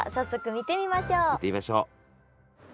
見てみましょう。